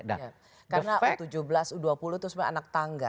karena u tujuh belas u dua puluh itu sebenarnya anak tangga